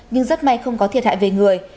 nhưng rất may không có thiệt hại về người